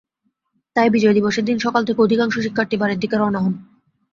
তাই বিজয় দিবসের দিন সকাল থেকে অধিকাংশ শিক্ষার্থী বাড়ির দিকে রওনা হন।